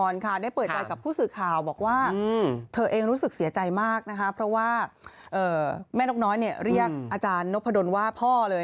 นกพะดนว่าพ่อเลยนะครับ